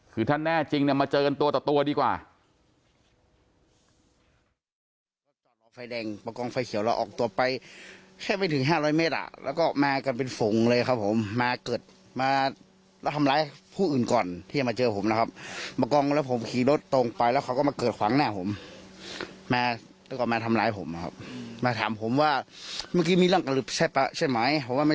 คือถ้าแน่จริงมาเจอกันตัวต่อตัวดีกว่า